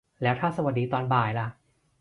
แล้วถ้าสวัสดีตอนบ่ายล่ะ